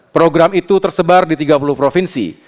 program itu tersebar di tiga puluh provinsi